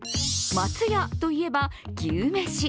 松屋といえば、牛めし。